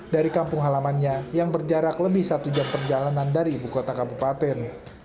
dari kampung halamannya yang berjarak lebih satu jam perjalanan dari ibu kota kabupaten